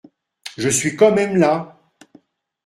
Je suis quand même là.